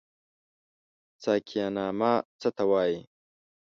ساقينامه څه ته وايي؟